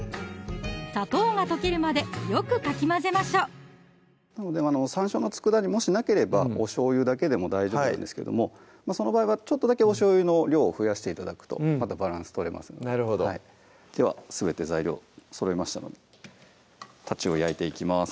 砂糖が溶けるまでよくかき混ぜましょう山椒の佃煮もしなければおしょうゆだけでも大丈夫なんですけどもその場合はちょっとだけおしょうゆの量を増やして頂くとまたバランス取れますのでなるほどではすべて材料そろいましたのでたちうお焼いていきます